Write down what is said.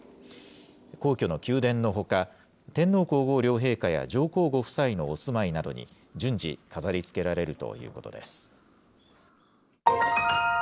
皇居の宮殿のほか、天皇皇后両陛下や上皇ご夫妻のお住まいなどに、順次飾りつけられるということです。